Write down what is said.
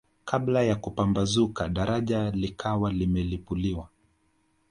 Kabla ya kupambazuka daraja likawa limelipuliwa